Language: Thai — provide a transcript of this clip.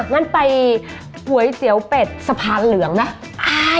งั้นไปก๋วยเตี๋ยวเป็ดสะพานเหลืองนะ